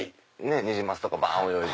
ニジマスとか泳いで。